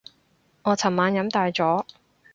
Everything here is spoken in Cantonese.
我尋晚飲大咗